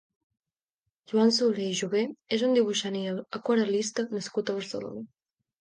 Joan Soler i Jové és un dibuixant i aquarel·lista nascut a Barcelona.